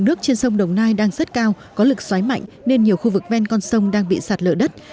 nước trên sông đồng nai đang rất cao có lực xoáy mạnh nên nhiều khu vực ven con sông đang bị sạt lở đất